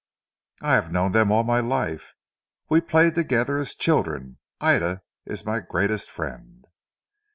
"I have known them all my life. We played together as children. Ida is my greatest friend."